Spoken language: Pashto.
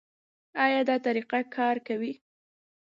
ایا دا طریقه کار کوي؟